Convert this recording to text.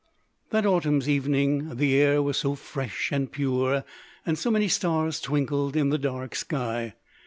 That autumn's evening the air was so fresh and pure, and so many stars twinkled in the dark sky!